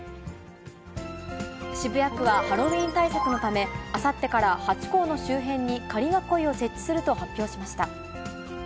渋谷区はハロウィーン対策のため、あさってからハチ公の周辺に仮囲いを設置すると発表しました。